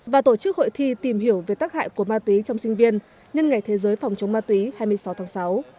và tổ chức hội thi tìm hiểu về tác hại của ma túy trong sinh viên nhân ngày thế giới phòng chống ma túy hai mươi sáu tháng sáu